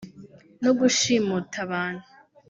no gushimuta abantu”